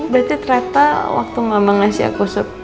berarti ternyata waktu mama ngasih aku